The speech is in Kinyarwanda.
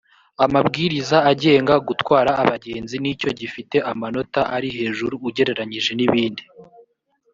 amabwiriza agenga gutwara abagenzi nicyo gifite amanota ari hejuru ugereranyije n ibindi